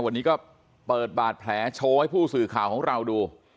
วันนี้ก็เปิดบาดแผลโชว์ให้ผู้สื่อข่าวของเราดู